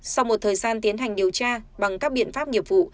sau một thời gian tiến hành điều tra bằng các biện pháp nghiệp vụ